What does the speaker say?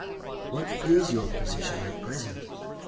'What is your position, at present?